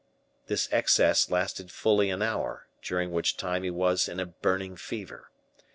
This excess lasted fully an hour, during which time he was in a burning fever.